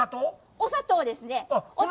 お砂糖ですね。